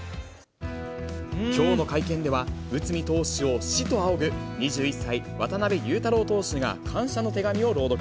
きょうの会見では、内海投手を師と仰ぐ２１歳、渡邉勇太朗投手が感謝の手紙を朗読。